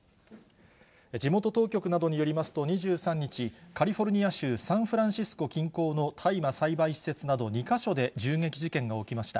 地元当局などによりますと、２３日、カリフォルニア州サンフランシスコ近郊の大麻栽培施設など２か所で銃撃事件が起きました。